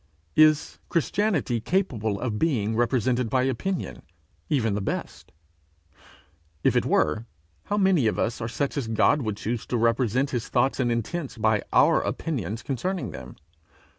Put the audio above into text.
Is Christianity capable of being represented by opinion, even the best? If it were, how many of us are such as God would choose to represent his thoughts and intents by our opinions concerning them?